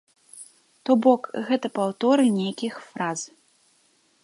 То бок, гэта паўторы нейкіх фраз.